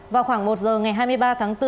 vào khoảng một giờ ngày hai mươi ba tháng bốn